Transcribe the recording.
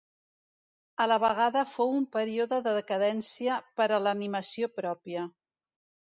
A la vegada fou un període de decadència per a l'animació pròpia.